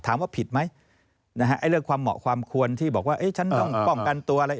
ถามว่าผิดไหมนะฮะไอ้เรื่องความเหมาะความควรที่บอกว่าฉันต้องป้องกันตัวอะไร